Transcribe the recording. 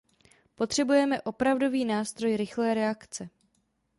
Potřebujeme opravdový nástroj rychlé reakce.